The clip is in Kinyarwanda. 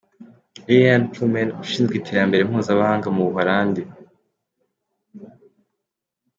Lillianne Ploumen ushinzwe Iterambere mpuzamahanga mu Ubuholandi.